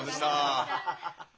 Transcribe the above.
ハハハハ！